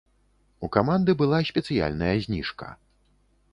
У каманды была спецыяльная зніжка.